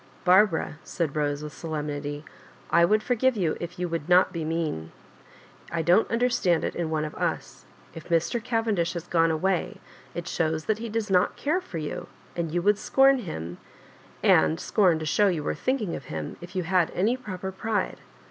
"Barbara," said Bose^ with solemnity, "I would forgive you if you would not be mean. I don't understand it in one of ua. If Mr. Caven dish has gone away, it shows that he does not care for you; and you would scorn him, and scorn to diow you were thinking of him, if you had any proper pride."